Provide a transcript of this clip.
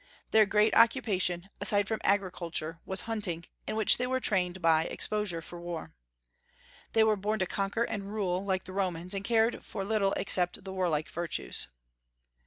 Their great occupation, aside from agriculture, was hunting, in which they were trained by exposure for war. They were born to conquer and rule, like the Romans, and cared for little except the warlike virtues.